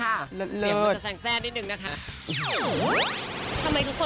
ทำไมทุกคนคิดว่าเป็นเรา